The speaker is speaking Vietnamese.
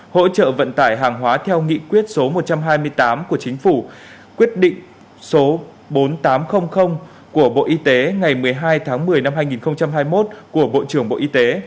hỗ trợ vận tải hàng hóa theo nghị quyết số một trăm hai mươi tám của chính phủ quyết định số bốn nghìn tám trăm linh của bộ y tế ngày một mươi hai tháng một mươi năm hai nghìn hai mươi một của bộ trưởng bộ y tế